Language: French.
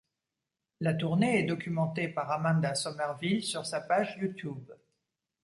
La tournée est documentée par Amanda Somerville sur sa page YouTube.